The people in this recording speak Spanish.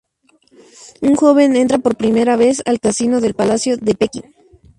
Un joven entra por primera vez al Casino del Palacio de Pekín.